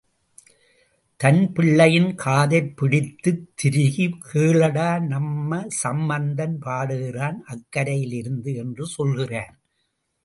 தன் பிள்ளையின் காதைப் பிடித்துத் திருகி, கேளடா நம்ம சம்பந்தன் பாடுகிறான் அக்கரையிலிருந்து என்று சொல்கிறார்.